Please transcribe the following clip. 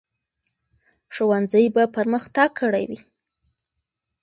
ښوونځي به پرمختګ کړی وي.